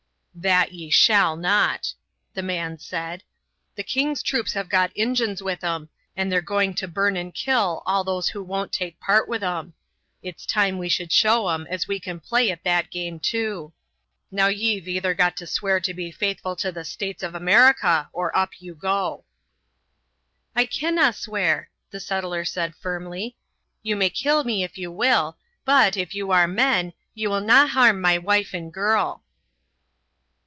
"That ye shall not," the man said. "The king's troops have got Injuns with 'em, and they're going to burn and kill all those who won't take part with 'em. It's time we should show 'em as we can play at that game, too. Now ye've either got to swear to be faithful to the States of America or up you go." "I canna swear," the settler said firmly. "You may kill me if you will, but, if you are men, you will nae harm my wife and girl."